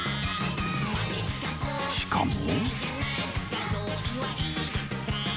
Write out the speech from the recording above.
［しかも］